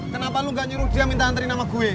kenapa lo gak nyuruh dia minta anterin sama gue